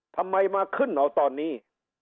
ทำไมมาขึ้นเอาตอนนี้